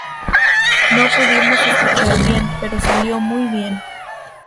No pudimos escuchar bien, pero salió muy bien".